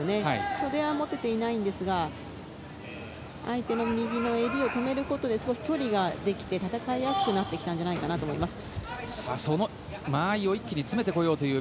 袖は持てていないんですが相手の右の襟を止めることで距離ができて戦いやすくなってきたんじゃないかなと思います。